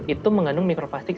itu mengandung mikroplastik